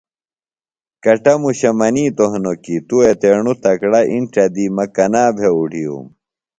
کٹموشہ منِیتوۡ ہنوۡ کیۡ ”توۡ اتیڻوۡ تکڑہ اِنڇہ دی مہ کنا بھےۡ اُڈِھیوم“